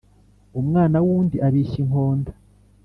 Umwana w’undi abishya inkonda.